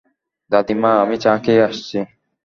দাদী মা, আমি চা খেয়ে আসছি।